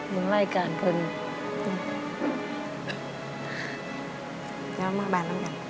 มึงรายการเพลง